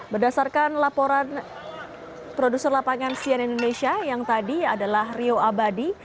berdasarkan laporan produser lapangan sian indonesia yang tadi adalah rio abadi